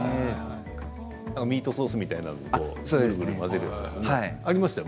ミートソースみたいなのを混ぜるのですよね